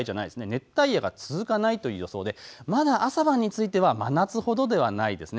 熱帯夜が続かないという予想でまだ朝晩については真夏ほどではないです。